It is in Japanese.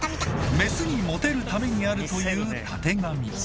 メスにモテるためにあるというたてがみ。